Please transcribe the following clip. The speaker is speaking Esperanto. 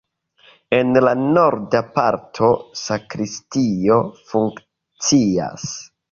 En la norda parto sakristio funkcias.